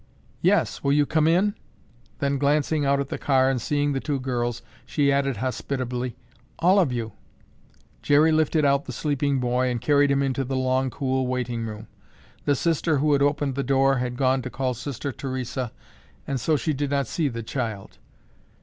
"Yes, will you come in?" Then, glancing out at the car and seeing the two girls, she added hospitably, "all of you." Jerry lifted out the sleeping boy and carried him into the long, cool waiting room. The sister who had opened the door had gone to call Sister Theresa and so she did not see the child.